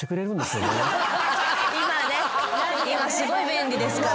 ・今ね今すごい便利ですから。